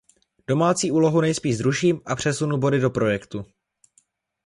Domácí úlohu nejspíš zruším a přesunu body do projektu.